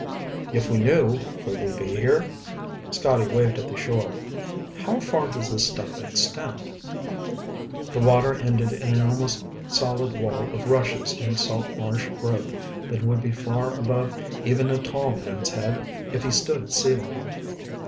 "If we knew, would we be here?" Scotty waved at the shore. "How far does this stuff extend?" The water ended in an almost solid wall of rushes and salt marsh growth that would be far above even a tall man's head if he stood at sea level.